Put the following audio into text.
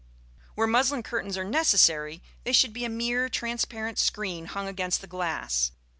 Where muslin curtains are necessary, they should be a mere transparent screen hung against the glass.